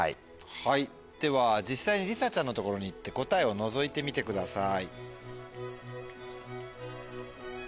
では実際にりさちゃんの所に行って答えをのぞいてみてください。